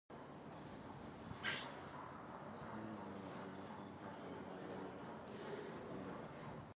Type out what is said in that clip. Larcena and her brother were the only two remaining family members.